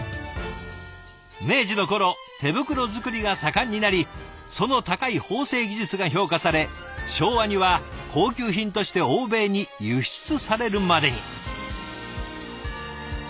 明治の頃手袋作りが盛んになりその高い縫製技術が評価され昭和には高級品として欧米に輸出されるまでに。